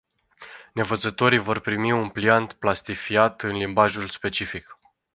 Nevăzătorii vor primi un pliant plastifiat în limbajul specific.